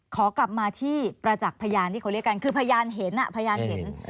ขอกลับมาที่ประจักษ์พยานที่เขาเรียกกันคือพยานเห็นพยานเห็น